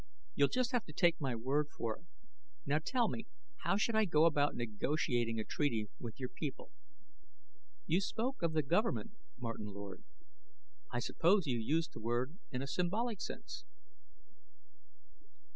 You'll just have to take my word for it. Now tell me: how should I go about negotiating a treaty with your people?" "You spoke of the government, Martin Lord; I suppose you used the word in a symbolic sense?"